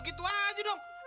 ya begitu aja dong